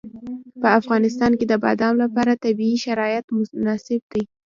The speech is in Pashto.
په افغانستان کې د بادام لپاره طبیعي شرایط مناسب دي.